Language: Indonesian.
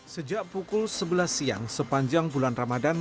sejak pukul sebelas siang sepanjang bulan ramadan